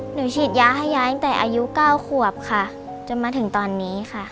ฉีดยาให้ยายตั้งแต่อายุ๙ขวบค่ะจนมาถึงตอนนี้ค่ะ